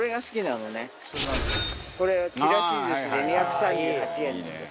これちらし寿司で２３８円なんです。